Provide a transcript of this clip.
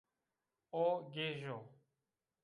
O gêj o